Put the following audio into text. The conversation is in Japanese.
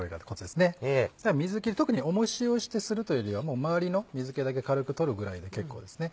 では水切り特に重しをしてするというよりは周りの水気だけ軽く取るぐらいで結構ですね。